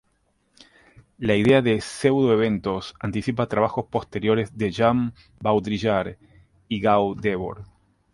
La idea de pseudo-eventos anticipa trabajos posteriores de Jean Baudrillard y Guy Debord.